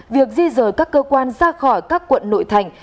việc di rời các cơ quan ra khỏi các quận nội thành